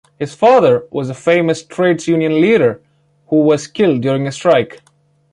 His father was a famous trades union leader, who was killed during a strike.